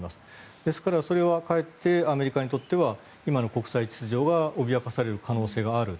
ですからそれはかえってアメリカにとっては今の国際秩序が脅かされる可能性がある。